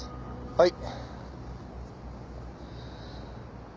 はい。